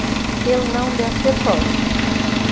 Ele não deve ter voz.